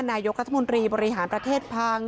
นายกรัฐมนตรีบริหารประเทศพัง